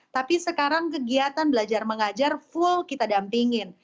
tapi sekarang kegiatan belajar mengajar full kita dampingin